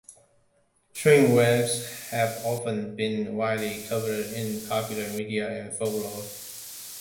Train wrecks have often been widely covered in popular media and in folklore.